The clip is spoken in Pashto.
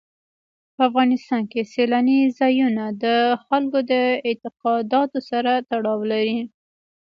په افغانستان کې سیلانی ځایونه د خلکو د اعتقاداتو سره تړاو لري.